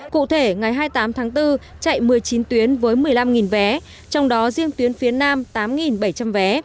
cụ thể ngày hai mươi tám tháng bốn chạy một mươi chín tuyến với một mươi năm vé trong đó riêng tuyến phía nam tám bảy trăm linh vé